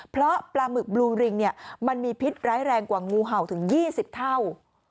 เพราะปลาหมึกบลูริงมันมีพิษร้ายแรงกว่างูเห่าถึง๒๐เท่า